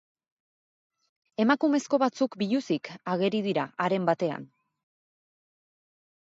Emakumezko batzuk biluzik ageri dira, haren batean.